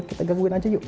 kita gangguin aja yuk